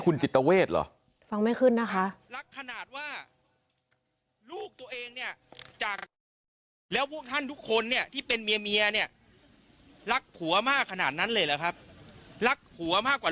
คุณจิตเวทเหรอฟังไม่ขึ้นนะคะ